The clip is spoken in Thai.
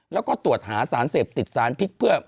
แล้วก็ตรวจหาสารเสพติดสารพิษเพื่อ